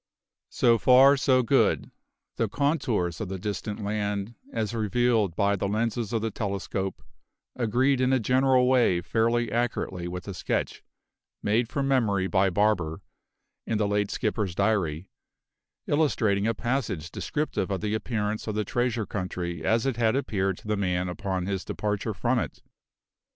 So far, so good; the contours of the distant land, as revealed by the lenses of the telescope, agreed in a general way fairly accurately with a sketch made from memory by Barber in the late skipper's diary, illustrating a passage descriptive of the appearance of the treasure country as it had appeared to the man upon his departure from it.